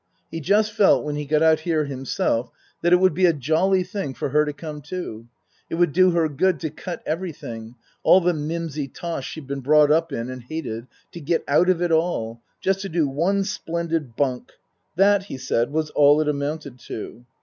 He just felt when he got out here himself that it would be a jolly thing for her to come too ; it would do her good to cut everything all the mimsy tosh she'd been brought up in and hated to get out of it all just to do one splendid bunk. That, he said, was all it amounted to.